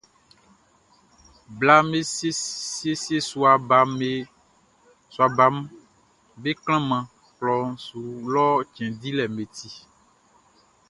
Blaʼm be siesie sua baʼm be klanman klɔʼn su lɔ cɛn dilɛʼm be ti.